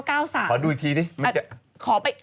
ขอดูอีกทีดิ